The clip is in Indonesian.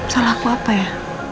salah aku apa ya